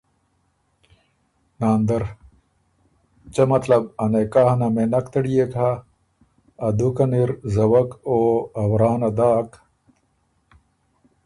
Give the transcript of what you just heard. ناندر: څۀ مطلب ا نکاحه نه مېن نک تړيېک هۀ، ا دُوکه ن اِر زوَک او ا ورا نه داک؟